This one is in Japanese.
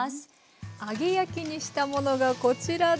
揚げ焼きにしたものがこちらです。